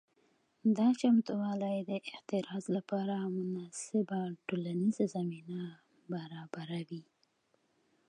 دا چمتووالي د اعتراض لپاره مناسبه ټولنیزه زمینه برابروي.